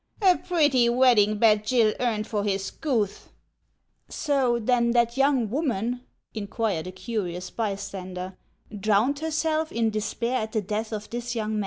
A pretty wedding bed Gill earned for his Gutli !"" So then that young woman," inquired a curious by stander, " drowned herself in despair at the death of this young man